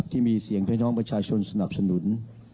ที่มีเสียงพี่น้องประชาชนสนับสนุน